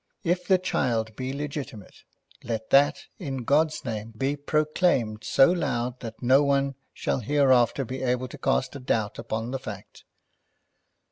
If the child be legitimate, let that, in God's name, be proclaimed so loud that no one shall hereafter be able to cast a doubt upon the fact.